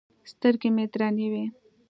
سترګې مې درنې وې.